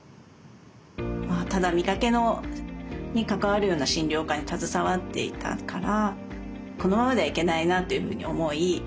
ただ見かけに関わるような診療科に携わっていたからこのままじゃいけないなっていうふうに思い